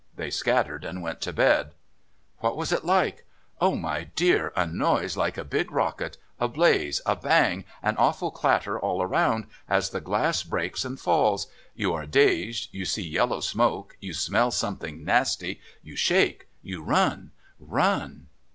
They scattered and went to bed. "What was it like? Oh, my dear, a noise like a big rocket, a blaze, a bang, an awful clatter all round, as the glass breaks and falls. You are dazed, you see yellow smoke, you smell something nasty, you shake you run run!"